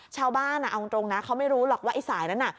ชาวบ้านเอาตรงนะเขาไม่รู้หรอกว่าไอ้สายนั้นน่ะ